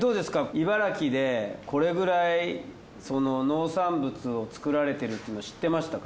茨城でこれくらい農産物を作られてるっていうの知ってましたか？